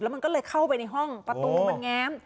มันก็เลยเข้าไปในห้องประตูมันแง้ม